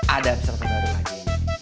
ada peserta baru lagi